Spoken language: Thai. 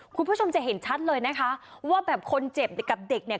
คุณผู้ชมจะเห็นชัดเลยนะคะว่าแบบคนเจ็บกับเด็กเนี่ย